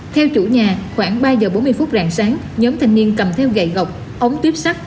theo chủ nhà khoảng ba giờ bốn mươi phút rạng sáng nhóm thanh niên cầm theo gậy gọc ống tuyếp sắt